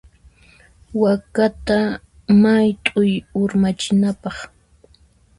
Wakata mayt'uy urmachinapaq.